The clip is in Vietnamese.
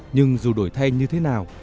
nhưng dù đổi thay như thế nào